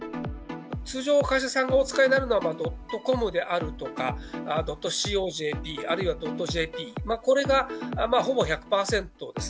通常、会社さんがお使いになるのは．ｃｏｍであるとか、．ｃｏ．ｊｐ、あるいは．ｊｐ、これがほぼ１００％です。